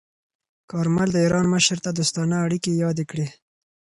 کارمل د ایران مشر ته دوستانه اړیکې یادې کړې.